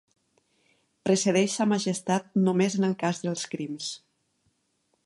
Precedeix sa majestat només en el cas dels crims.